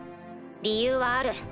理由はある。